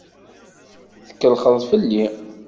Tkellxeḍ fell-i.